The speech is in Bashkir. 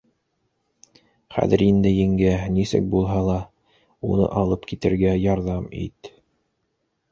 Хәҙер инде, еңгә, нисек булһа ла уны алып китергә ярҙам ит.